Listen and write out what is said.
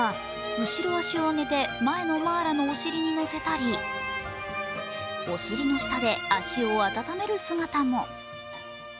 後ろ足を上げて前のマーラのお尻に乗せたりお尻の下で足を温める姿も。